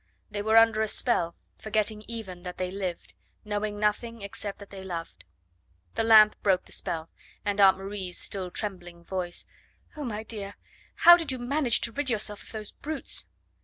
They were under a spell, forgetting even that they lived, knowing nothing except that they loved. The lamp broke the spell, and Aunt Marie's still trembling voice: "Oh, my dear! how did you manage to rid yourself of those brutes?"